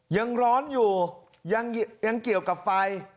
ยังร้อนอยู่ยังเกี่ยวกับไฟ